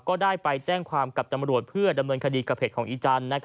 ก็ได้ไปแจ้งความกับตำรวจเพื่อดำเนินคดีกับเพจของอีจันทร์